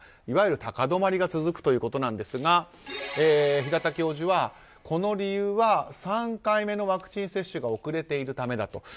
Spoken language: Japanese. いわゆる高止まりが続くということなんですが平田教授は、この理由は３回目のワクチン接種が遅れているためだと。